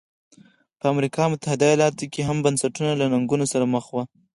په امریکا متحده ایالتونو کې هم بنسټونه له ننګونو سره مخ وو.